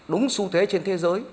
đúng xu thế trên thế giới